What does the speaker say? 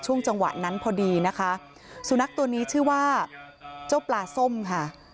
จังหวะนั้นพอดีนะคะสุนัขตัวนี้ชื่อว่าเจ้าปลาส้มค่ะ